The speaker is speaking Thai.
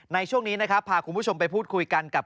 ในช่วงนี้นะครับพาคุณผู้ชมไปพูดคุยกันกับ